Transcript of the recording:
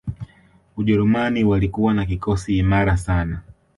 Ujerumani walikuwa na kikosi imara sana